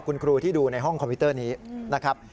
คุณครูที่ดูในห้องคอมพิวเตอร์นี้นะครับ